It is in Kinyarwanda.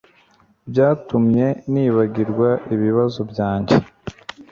Byatumye nibagirwa ibibazo byanjye.